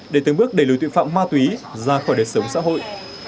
để từng bước đẩy lùi tội phạm ma túy ra khỏi đời sống xã hội